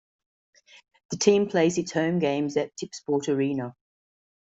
The team plays its home games at Tipsport Arena.